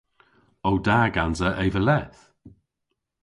O da gansa eva leth?